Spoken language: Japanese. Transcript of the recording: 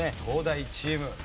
東大チーム。